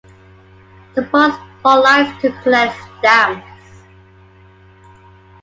Suppose Paul likes to collect stamps.